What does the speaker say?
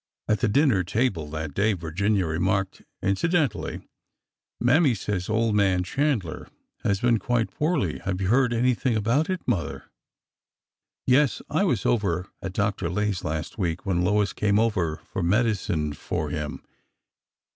At the dinner table that day Virginia remarked inci dentally : Mammy says old man Chandler has been quite poorly. Have you heard anything about it, mother ?" Yes. I was over at Dr. Lay's one day last week when Lois came over for medicine for him.